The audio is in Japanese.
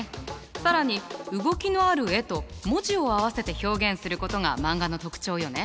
更に動きのある絵と文字を合わせて表現することがマンガの特徴よね。